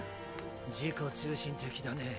自己中心的だね。